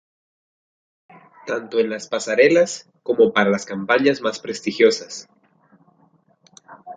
Tanto en las pasarelas, como para las campañas más prestigiosas.